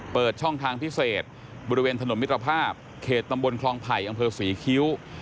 เปิดช่องทางพิเศษบริเวณถนนมิตรภาพเขตตำบลคลองไผ่อำเภอศรีคิ้ว